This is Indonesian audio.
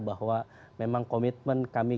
bahwa memang komitmen kami